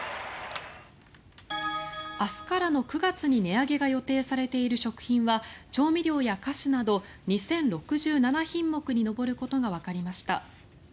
明日からの９月に値上げが予定されている食品は調味料や菓子など２０６７品目に上ることがわかりました。